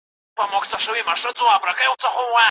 تاسو کوم ډول کمپیوټري پروګرامونه ډېر په اسانۍ زده کوئ؟